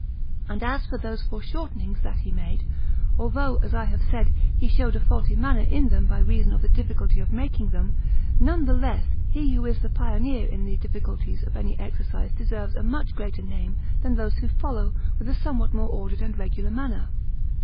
And as for those foreshortenings that he made, although, as I have said, he showed a faulty manner in them by reason of the difficulty of making them, none the less he who is the pioneer in the difficulties of any exercise deserves a much greater name than those who follow with a somewhat more ordered and regular manner.